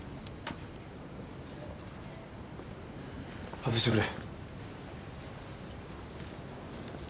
外してくれ。